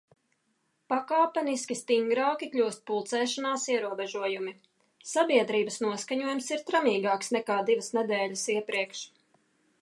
Pakāpeniski stingrāki kļūst pulcēšanās ierobežojumi. Sabiedrības noskaņojums ir tramīgāks nekā divas nedēļas iepriekš.